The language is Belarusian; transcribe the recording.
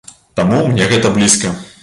Таму мне гэта блізка.